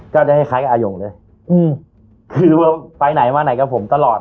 คล้ายคล้ายกับอายงเลยอืมคือว่าไปไหนมาไหนกับผมตลอด